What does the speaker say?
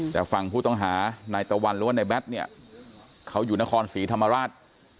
แต่ฝั่งผู้ต้องหานายตะวันหรือว่าในแบทเนี่ยเขาอยู่นครศรีธรรมราช